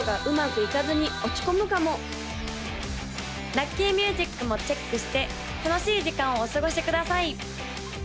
・ラッキーミュージックもチェックして楽しい時間をお過ごしください